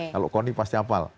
kalau koni pas capal